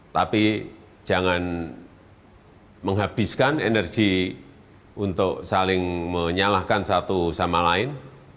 tapi jangan menghabiskan energi untuk saling menyalahkan satu sama lain